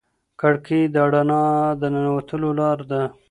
کړکۍ د رڼا د ننوتلو لار ده.